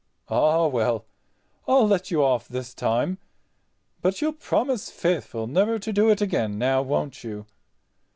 "Ah, well—I'll let you off this time. But you'll promise faithful never to do it again, now, won't you?"